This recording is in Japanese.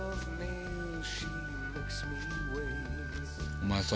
お前さ。